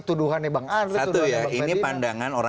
tuduhannya bang andre